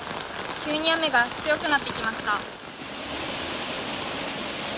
急に雨が強くなってきました。